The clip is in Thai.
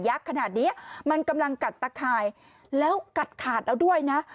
ขนาดเนี้ยมันกำลังกัดตะข่ายแล้วกัดขาดแล้วด้วยนะ